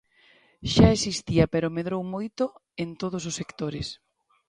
Xa existía pero medrou moito en todos os sectores.